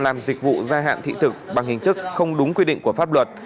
làm dịch vụ gia hạn thị thực bằng hình thức không đúng quy định của pháp luật